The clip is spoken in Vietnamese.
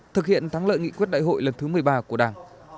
thực hiện thắng lợi nghị quyết đại hội lần thứ một mươi ba của đảng